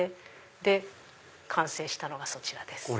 で完成したのがそちらです。